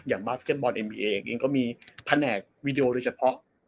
บาสเก็ตบอลเอ็มวีเองเองก็มีแผนกวีดีโอโดยเฉพาะ